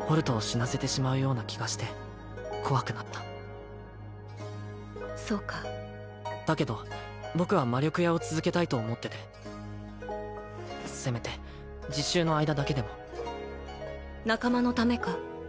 ホルトを死なせてしまうような気がして怖くなったそうかだけど僕は魔力屋を続けたいと思っててせめて実習の間だけでも仲間のためか？